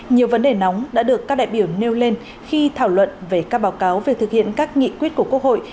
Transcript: nhiều vấn đề nóng đã được các đại biểu nêu lên khi thảo luận về các báo cáo về thực hiện các nghị quyết của quốc hội